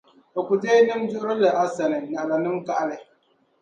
o ku deei nim’ duɣirili a sani, naɣila nim’ kahili.